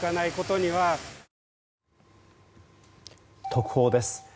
特報です。